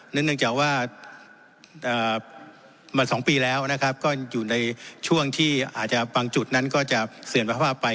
เนื่องจากว่ามา๒ปีแล้วนะครับก็อยู่ในช่วงที่อาจจะบางจุดนั้นก็จะเสื่อนสภาพไป